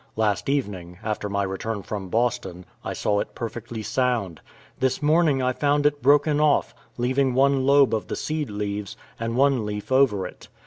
Last evening, after my return from Boston, I saw it perfectly sound. This morning I found it broken off, leaving one lobe of the seed leaves, and one leaf over it.